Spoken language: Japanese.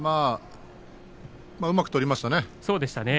うまく取りましたね。